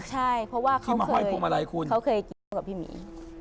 ใช่เพราะว่าเขาเคยกินกับพี่หมี